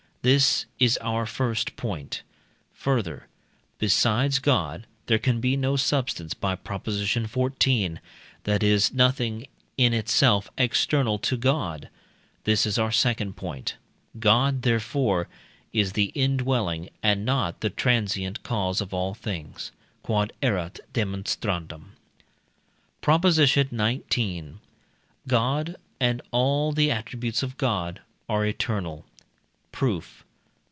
This is our first point. Further, besides God there can be no substance (by Prop. xiv.), that is nothing in itself external to God. This is our second point. God, therefore, is the indwelling and not the transient cause of all things. Q.E.D. PROP. XIX. God, and all the attributes of God, are eternal. Proof.